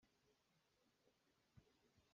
Anmah nupa cu an miltlor hmanh ah an fale an der tuk.